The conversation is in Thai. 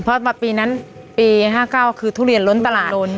เพราะมาปีนั้นปี๕๙คือทุเรียนล้นตลาดล้น